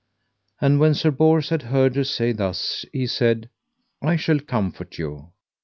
And when Sir Bors had heard her say thus, he said: I shall comfort you.